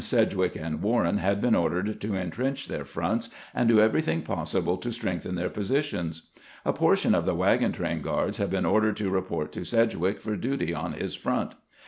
Sedgwick and Warren had been ordered to intrench their fronts and do everything possible to strengthen their positions. A portion of the wagon train guards had been ordered to report to Sedg wick for duty on his front.